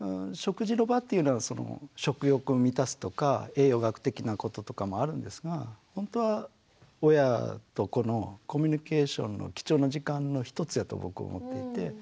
食事の場っていうのは食欲を満たすとか栄養学的なこととかもあるんですがほんとは親と子のコミュニケーションの貴重な時間の一つやと僕思っていて。